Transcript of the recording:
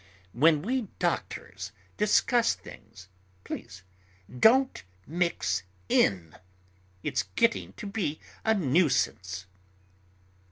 When we doctors discuss things, please don't mix in. It's getting to be a nuisance."